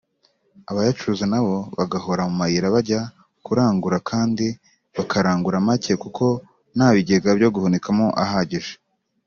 abayacuruza nabo bagahora mu mayira bajya kurangura kandi bakarangura make kuko nta bigega byo guhunikamo ahagije